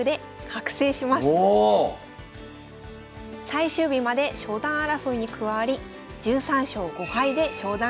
最終日まで昇段争いに加わり１３勝５敗で昇段。